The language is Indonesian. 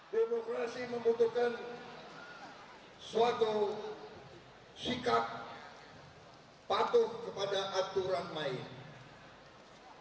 demokrasi membutuhkan suatu sikap patuh kepada aturan main